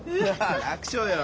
楽勝よ。